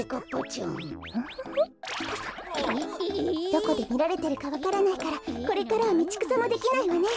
どこでみられてるかわからないからこれからはみちくさもできないわね。